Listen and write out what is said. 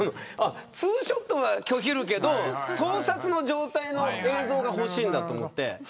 ツーショットは拒否するけど盗撮の状態の映像が欲しいんだと思って。